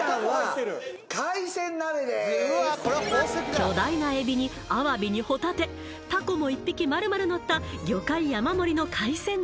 巨大なエビにアワビにホタテタコも１匹丸々のった魚介山盛りの海鮮鍋